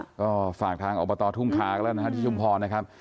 ก็ฝากทางอบตทุ่มคล้ากิแล้วนะคะที่ชุมพรนะคะ